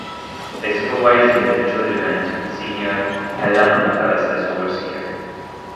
They supervised individual events, with a senior "Hellanodikas" as an overseer.